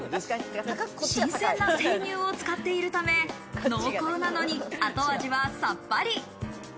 新鮮な生乳を使っているため、濃厚なのにあと味はさっぱり。